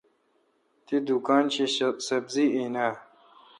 تی دکان شی سبری این اں۔